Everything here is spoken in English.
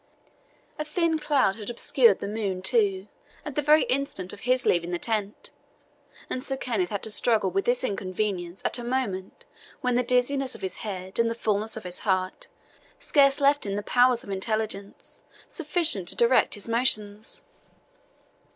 A thin cloud had obscured the moon, too, at the very instant of his leaving the tent, and Sir Kenneth had to struggle with this inconvenience at a moment when the dizziness of his head and the fullness of his heart scarce left him powers of intelligence sufficient to direct his motions.